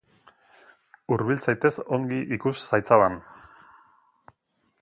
Hurbildu zaitez, ongi ikus zaitzadan.